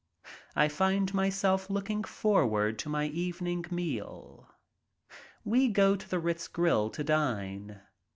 I find myself looking forward to my evening meal. We go to the Ritz grill to dine.